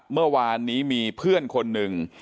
เมื่อวานนี้มีเพื่อนคนหนึ่ง